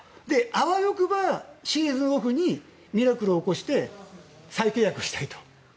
あわよくば、シーズンオフにミラクルを起こして再契約したいと。